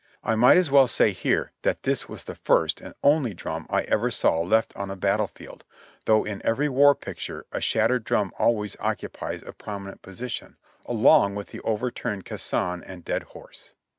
I might as well say here that this was the first and only drum I ever saw left on a battle field, though in every war picture a shattered drum always occupies a prominent position, along with the overturned caisson and dead horse.